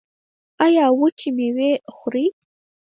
ایا وچې میوې خورئ؟